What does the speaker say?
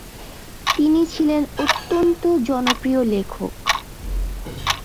তিনি ছিলেন অত্যন্ত জনপ্রিয় লেখক।